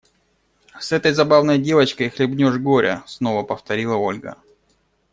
С этой забавной девочкой хлебнешь горя, – снова повторила Ольга.